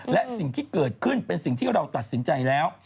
และสิ่งที่เกิดขึ้นเป็นสิ่งที่เราตัดสินใจแล้ว